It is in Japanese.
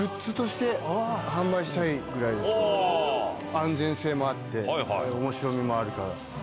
安全性もあって面白みもあるから。